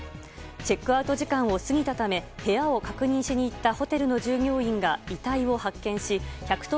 チェックアウト時間を過ぎたため部屋を確認しに行ったホテルの従業員が遺体を発見し１１０